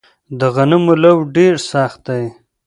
د غنمو لوو ډیر سخت دی